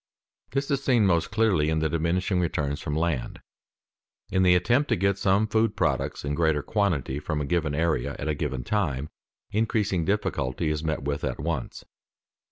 _ This is seen most clearly in the diminishing returns from land. In the attempt to get some food products in greater quantity from a given area at a given time, increasing difficulty is met with at once.